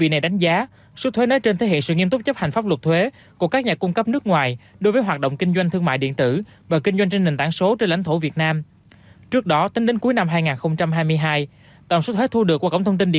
hãy đăng ký kênh để ủng hộ kênh của mình nhé